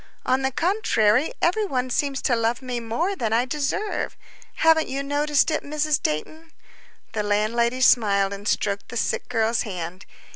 On the contrary, every one seems to love me more than I deserve. Haven't you noticed it, Mrs. Dayton?" The landlady smiled and stroked the sick girl's hand.